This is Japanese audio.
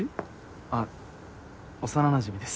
あっ幼なじみです。